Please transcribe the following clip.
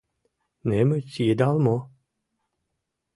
Немыч йыдал мо?